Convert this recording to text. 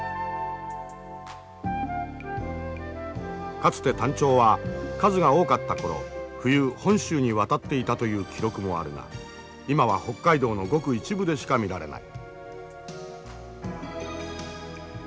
かつてタンチョウは数が多かった頃冬本州に渡っていたという記録もあるが今は北海道のごく一部でしか見られない。